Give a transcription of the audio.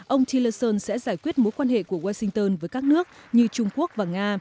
ông chilerson sẽ giải quyết mối quan hệ của washington với các nước như trung quốc và nga